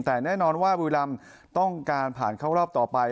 แต่แน่นอนว่าบุรีรำต้องการผ่านเข้ารอบต่อไป